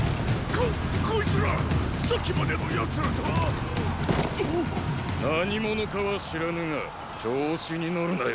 ここいつらさっきまでの奴らとは⁉何者かは知らぬが調子に乗るなよ